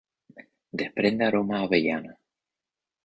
Desprende aroma a avellana.